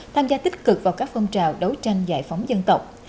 tham gia tích cực vào các phong trào đấu tranh giải phóng dân tộc